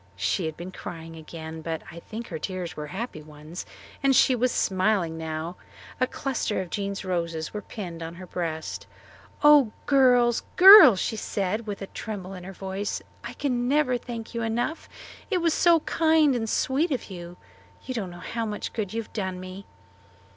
She had been crying again, but I think her tears were happy ones; and she was smiling now. A cluster of Jean's roses were pinned on her breast. "Oh, girls, girls," she said, with a little tremble in her voice, "I can never thank you enough. It was so kind and sweet of you. You don't know how much good you have done me."